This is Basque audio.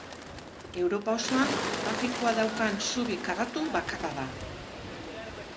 Europa osoan trafikoa daukan zubi karratu bakarra da.